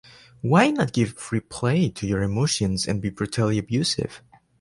Why not give free play to your emotions, and be brutally abusive?